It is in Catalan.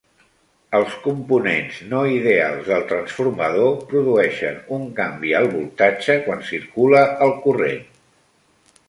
Els components no ideals del transformador produeixen un canvi al voltatge quan circula el corrent.